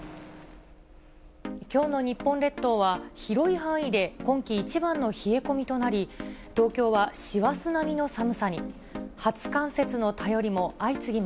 きょうの日本列島は、広い範囲で今季一番の冷え込みとなり、東京は師走並みの寒さに。